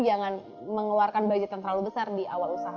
jangan mengeluarkan budget yang terlalu besar di awal usaha